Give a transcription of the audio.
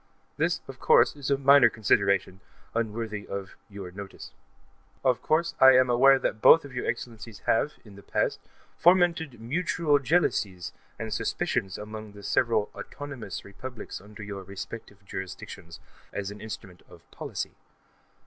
This, of course, is a minor consideration, unworthy of Your notice. Of course, I am aware that both your Excellencies have, in the past, fomented mutual jealousies and suspicions among the several "autonomous" republics under your respective jurisdictions, as an instrument of policy.